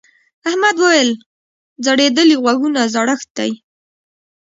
احمد وويل: ځړېدلي غوږونه زړښت دی.